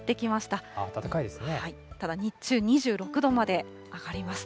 ただ、日中２６度まで上がります。